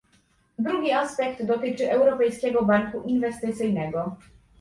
Drugi aspekt dotyczy Europejskiego Banku Inwestycyjnego